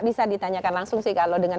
bisa ditanyakan langsung sih kalau dengan